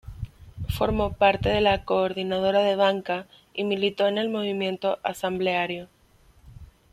Formó parte de la "Coordinadora de Banca" y militó en el movimiento asambleario.